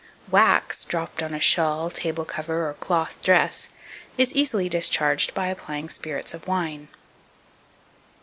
2272. Wax dropped on a shawl, table cover, or cloth dress, is easily discharged by applying spirits of wine.